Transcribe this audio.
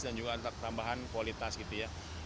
dan juga tambahan kualitas gitu ya